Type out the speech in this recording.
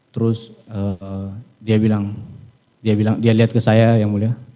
terus dia bilang dia lihat ke saya yang mulia